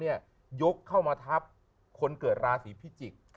ยกเข้ามาทับคนเกิดราศีพิจิกษ์